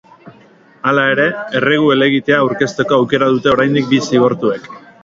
Hala ere, erregu helegitea aurkezteko aukera dute oraindik bi zigortuek.